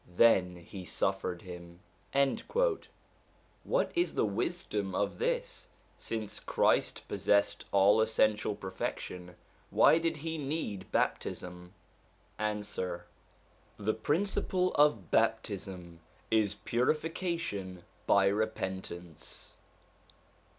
Then he suffered him/ What is the wisdom of this : since Christ possessed all essential perfection, why did he need baptism ? Answer. The principle of baptism is purification by repentance.